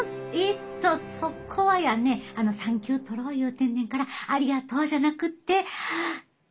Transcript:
えっとそこはやね産休とろう言うてんねんからありがとうじゃなくって。